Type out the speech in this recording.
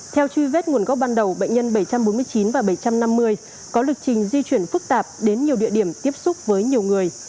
theo truy vết nguồn gốc ban đầu bệnh nhân bảy trăm bốn mươi chín và bảy trăm năm mươi có lịch trình di chuyển phức tạp đến nhiều địa điểm tiếp xúc với nhiều người